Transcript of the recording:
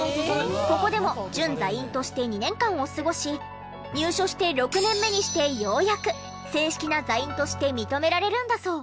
ここでも準座員として２年間を過ごし入所して６年目にしてようやく正式な座員として認められるんだそう。